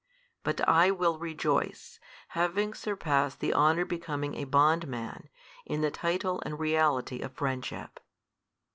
But I will rejoice, having surpassed the honour becoming a bondman, in the title and reality of friendship.